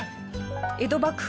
江戸幕府